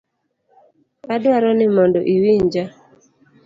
Adwaro ni mondo iwinja.